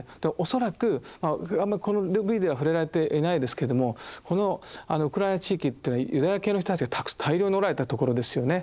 恐らくあんまり触れられていないですけれどもこのウクライナ地域というのはユダヤ系の人たちが大量におられたところですよね。